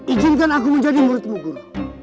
ijinkan aku menjadi muridmu guru